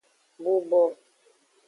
Bubo.